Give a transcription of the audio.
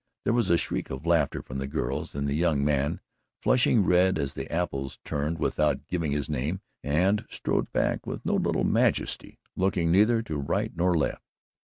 There was a shriek of laughter from the girls, and the young man, flushing red as the apples, turned, without giving his name, and strode back with no little majesty, looking neither to right nor left.